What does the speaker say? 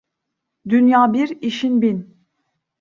Dünya bir, işin bin.